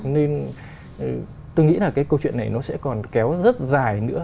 nên tôi nghĩ là cái câu chuyện này nó sẽ còn kéo rất dài nữa